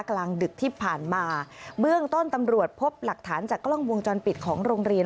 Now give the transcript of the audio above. กลางดึกที่ผ่านมาเบื้องต้นตำรวจพบหลักฐานจากกล้องวงจรปิดของโรงเรียน